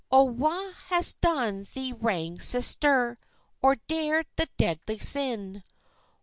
"Oh, wha has done thee wrang, sister, Or dared the deadly sin?